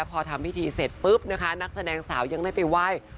พิเศษปุ๊บนะคะนักแสดงสาวยังได้ไปไหว้